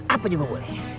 apa juga boleh